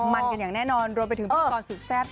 มันกันอย่างแน่นอนรวมไปถึงพิธีกรสุดแซ่บ